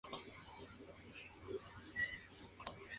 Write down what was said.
Actualmente es entrenador del colegio Villa Alarife.